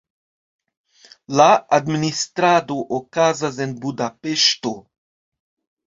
La administrado okazas en Budapeŝto.